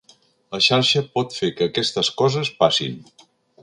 La xarxa pot fer que aquestes coses passin.